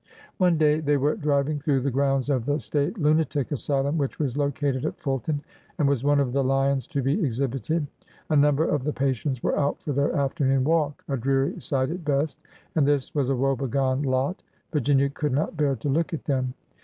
One day they were driving through the grounds of the State Lunatic Asylum, which was located at Fulton, and was one of the lions to be exhibited. A number of the patients were out for their afternoon walk, — a dreary sight at best, — and this was a woebegone lot. Virginia could not bear to look at them.